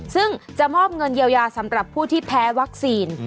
ซึ่งจะมอบเงินเยียวยาสำหรับผู้ที่แพ้วัคซีน